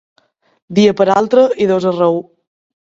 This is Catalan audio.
Dia per altre i dos arreu.